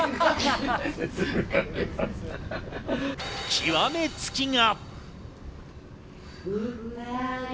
極め付きが。